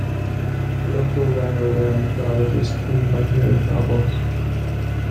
This Otorhinolaryngologist treated my hearing problems.